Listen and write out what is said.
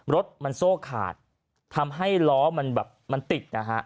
รถมันโซ่ขาดทำให้ล้อมันแบบมันติดนะฮะ